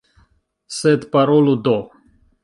Sed parolu do.